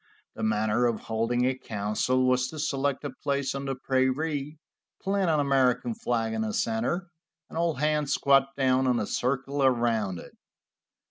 The manner of holding a council was to select a place on the prairie, plant an American flag in the center, and all hands squat down in a circle around it.